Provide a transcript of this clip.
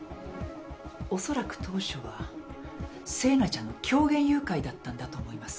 恐らく当初は星名ちゃんの狂言誘拐だったんだと思います。